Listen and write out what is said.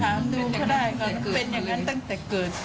ถามดูก็ได้ก็เป็นอย่างงั้นตั้งแต่เกิด